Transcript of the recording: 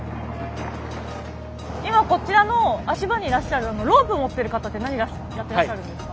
今こちらの足場にいらっしゃるロープ持ってる方って何やってらっしゃるんですか？